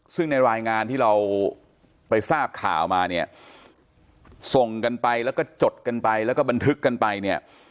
ซึ่งในรายงานที่เราไปทราบข่าวมาเนี่ยส่งกันไปแล้วก็จดกันไปแล้วก็บันทึกกันไปเนี่ย